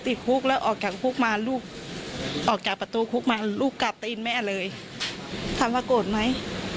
ทำให้โกรธไหม